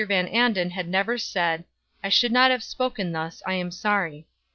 Van Anden had never said: "I should not have spoken thus; I am sorry."